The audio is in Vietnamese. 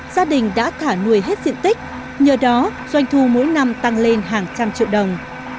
gia đình đã thả nuôi hết diện tích nhờ đó doanh thu mỗi năm tăng lên hàng trăm triệu đồng